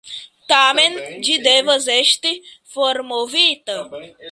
Tamen ĝi devas esti formovita.